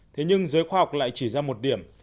thế nhưng giới khoa học lại chỉ ra một điểm